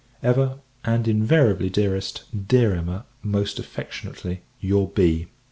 Ever, and invariably, dearest, dear Emma, most affectionately, your B.